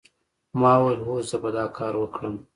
ما وویل هو زه به دا کار وکړم